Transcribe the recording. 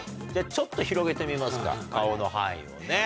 ちょっと広げてみますか顔の範囲をね。